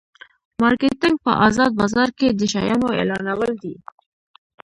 مارکیټینګ په ازاد بازار کې د شیانو اعلانول دي.